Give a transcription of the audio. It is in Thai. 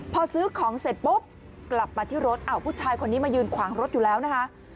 พอซื้อของเสร็จปุ๊บกลับมาที่รถอ้าวผู้ชายคนนี้มายืนขวางรถอยู่แล้วนะคะ